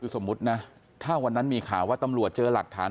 สมมุตินะถ้าวันนั้นมีข่าวว่าตำรวจเจอหลักฐาน